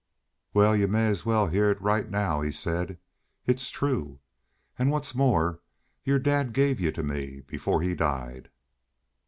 "Wal, y'u may as well heah it right now," he said. "It's true. An' what's more your dad gave y'u to me before he died."